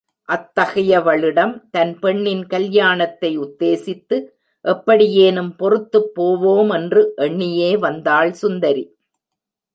அத்தகையவளிடம், தன் பெண்ணின் கல்யாணத்தை உத்தேசித்து எப்படியேனும் பொறுத்துப் போவோமென்று எண்ணியே வந்தாள் சுந்தரி.